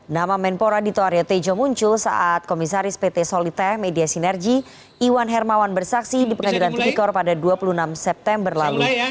nama menpora dito aryo tejo muncul saat komisaris pt solite media sinergi iwan hermawan bersaksi di pengadilan tipikor pada dua puluh enam september lalu